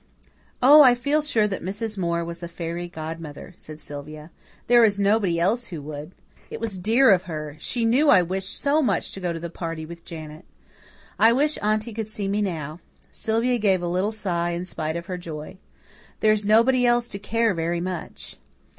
"Oh, I feel sure that Mrs. Moore was the fairy godmother," said Sylvia. "There is nobody else who would. It was dear of her she knew I wished so much to go to the party with Janet. I wish Aunty could see me now." Sylvia gave a little sigh in spite of her joy. "There's nobody else to care very much."